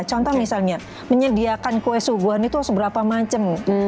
contoh misalnya menyediakan kue suguhan itu harus berapa macam